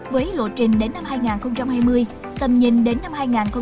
với lộ trình đến năm hai nghìn hai mươi tầm nhìn đến năm hai nghìn ba mươi